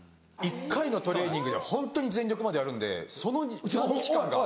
１回のトレーニングでホントに全力までやるんでその何日間が。